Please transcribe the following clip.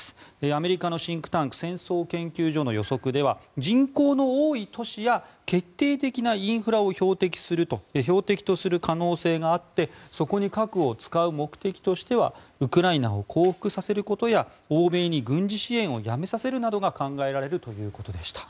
アメリカのシンクタンク戦争研究所の予測では人口の多い都市や決定的なインフラを標的とする可能性があってそこに核を使う目的としてはウクライナを降伏させることや欧米に軍事支援をやめさせるなどが考えられるということでした。